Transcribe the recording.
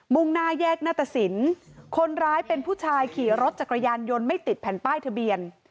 ่งหน้าแยกหน้าตสินคนร้ายเป็นผู้ชายขี่รถจักรยานยนต์ไม่ติดแผ่นป้ายทะเบียน